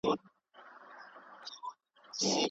سیال هیواد بهرنی استازی نه ګواښي.